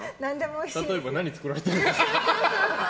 例えば何作られてるんですか？